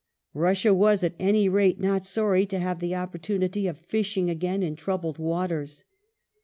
Russia was, at any rate, not son y to have the opportunity of fishing again in troubled waters.